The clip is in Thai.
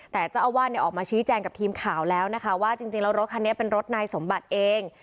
แต่เจ้าอาวาสออกมาชี้แจงกับทีมข่าวแล้วนะคะว่าจริงแล้วรถคันนี้เป็นรถนายสมบัติเอง